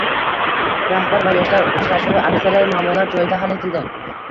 Rahbar va yoshlar uchrashuvi: aksariyat muammolar joyida hal etildi